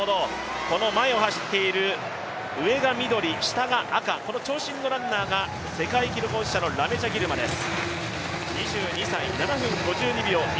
前を走っている、上が緑、下が赤この長身のランナーが世界記録保持者のギルマです。